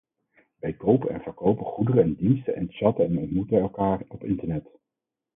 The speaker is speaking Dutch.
Wij kopen en verkopen goederen en diensten en chatten en ontmoeten elkaar op internet.